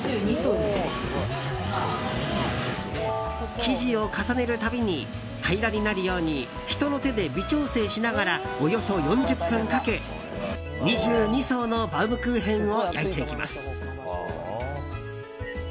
生地を重ねるたびに平らになるように人の手で微調整しながらおよそ４０分かけ２２層のバウムクーヘンを焼いていきます。